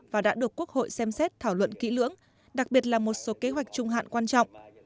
và đã được quốc hội xem xét thảo luận kỹ lưỡng đặc biệt là một số kế hoạch trung hạn quan trọng